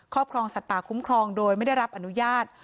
ครองสัตว์ป่าคุ้มครองโดยไม่ได้รับอนุญาต